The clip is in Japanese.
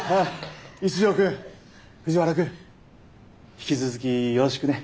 一条くん藤原くん引き続きよろしくね。